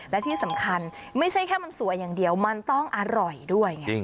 และที่สำคัญไม่ใช่แค่มันสวยอย่างเดียวมันต้องอร่อยด้วยไง